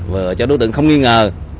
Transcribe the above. và cho đối tượng không nghi ngờ